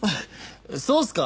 そうっすか？